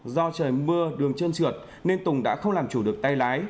do trời mưa đường chân trượt nên tùng đã không làm chủ được tay lái